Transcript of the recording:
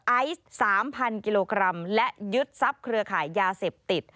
ไอซ์๓๐๐กิโลกรัมและยึดทรัพย์เครือขายยาเสพติด